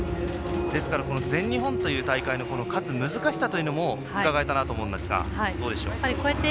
ですから、全日本という大会の勝つ難しさというのもうかがえたなと思うんですがどうでしょう？